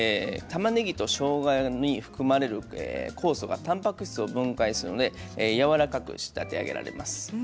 たまねぎとしょうがに含まれる酵素がたんぱく質を分解するのでやわらかく仕立て上げられます。